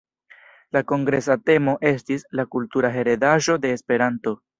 La kongresa temo estis: la kultura heredaĵo de Esperanto.